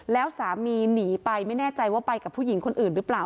แล้วสามีหนีไปไม่แน่ใจว่าไปกับผู้หญิงคนอื่นหรือเปล่า